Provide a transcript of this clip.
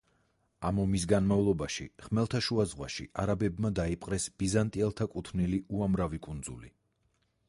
ამ ომის განმავლობაში, ხმელთაშუა ზღვაში არაბებმა დაიპყრეს ბიზანტიელთა კუთვნილი უამრავი კუნძული.